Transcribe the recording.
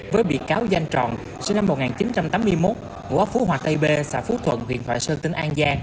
với bị cáo danh tròn sau năm một nghìn chín trăm tám mươi một ngũ ốc phú hòa tây b xã phú thuận huyện thoại sơn tỉnh an giang